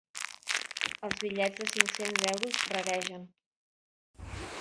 Els bitllets de cinc-cents euros raregen.